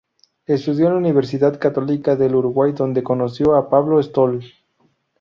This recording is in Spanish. Estudió en la Universidad Católica del Uruguay, donde conoció a Pablo Stoll.